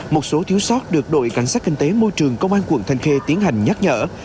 một số thiếu sót được đội cảnh sát kinh tế môi trường công an quận thanh khê tiến hành nhắc nhở